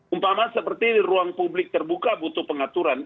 umpama seperti ruang publik terbuka butuh pengaturan